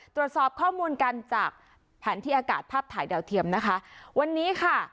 ตรวจสอบข้อมูลกันจากแผนที่อากาศภาพถ่ายดาวเทียมนะคะวันนี้ค่ะ